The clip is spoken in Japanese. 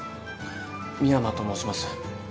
深山と申します。